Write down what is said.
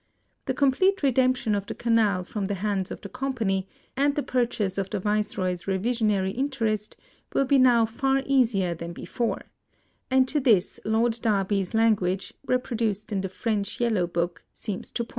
The complete redemption of the Canal from the hands of the Company, and the purchase of the Viceroy's reversion ary interest, will be now far easier than before ; and to this Lord Derby's language, reproduced in the French yellow book, seems to point.